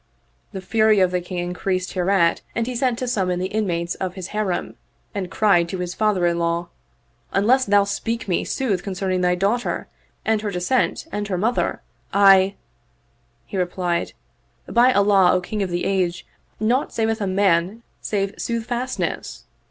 The fury of the King increased hereat and he sent to summon the inmates of his Harem and cried to his father in law, " Unless thou speak me sooth concerning thy daughter and her descent and her mother I "— He replied, " By Allah, O King of the Age, naught saveth a man save soothf astness